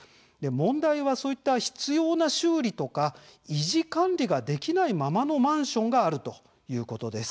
問題は必要な修理や維持管理ができていないままのマンションがあるということです。